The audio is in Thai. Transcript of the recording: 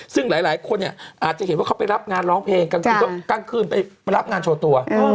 ซึ่งหลายคนอาจจะเห็นว่าเขาไปรับงานร้องเพลงกลางคืนไปรับงานโชว์ตัว